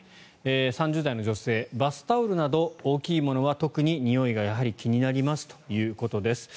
３０代の女性バスタオルなど大きいものは特ににおいがやはり気になりますということです。